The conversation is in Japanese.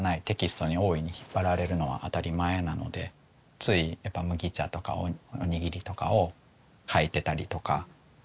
テキストに大いに引っ張られるのは当たり前なのでついやっぱ麦茶とかおにぎりとかを描いてたりとか。